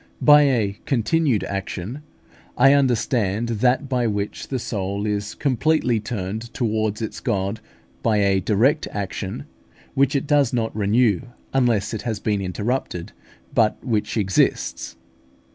By a continued action I understand that by which the soul is completely turned towards its God by a direct action, which it does not renew, unless it has been interrupted, but which exists.